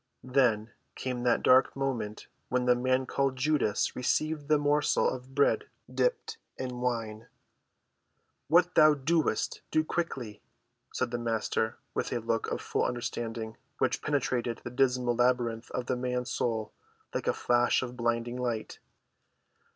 Then came that dark moment when the man called Judas received the morsel of bread dipped in wine. "What thou doest, do quickly," said the Master, with a look of full understanding which penetrated the dismal labyrinth of the man's soul like a flash of blinding light.